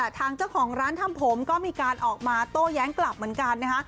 ทางเจ้าของร้านทำผมก็มีการออกมาโต้แย้งกลับเหมือนกันนะคะ